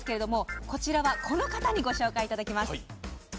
こちらはこの方にご紹介いただきます。